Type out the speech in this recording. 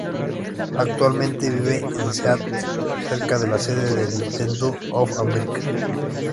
Actualmente vive en Seattle, cerca de la sede de Nintendo of America.